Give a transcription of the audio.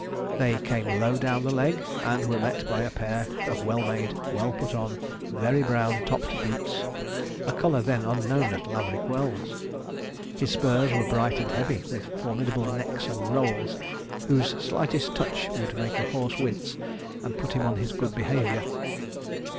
They came low down the leg, and were met by a pair of well made, well put on, very brown topped boots, a colour then unknown at Laverick Wells. His spurs were bright and heavy, with formidable necks and rowels, whose slightest touch would make a horse wince, and put him on his good behaviour.